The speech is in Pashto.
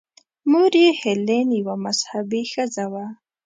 مور یې هیلین یوه مذهبي ښځه وه.